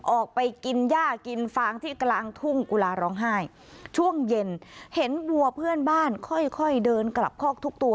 ออกไปกินย่ากินฟางที่กลางทุ่งกุลาร้องไห้ช่วงเย็นเห็นวัวเพื่อนบ้านค่อยค่อยเดินกลับคอกทุกตัว